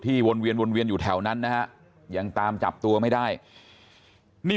วนเวียนวนเวียนอยู่แถวนั้นนะฮะยังตามจับตัวไม่ได้นี่